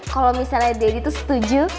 kalau misalnya deddy itu setuju